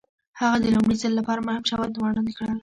هغه د لومړي ځل لپاره مهم شواهد وړاندې کړل.